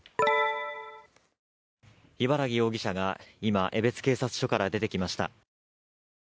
茨木容疑者が今江別警察署から出てきました。